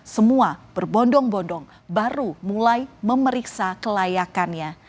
semua berbondong bondong baru mulai memeriksa kelayakannya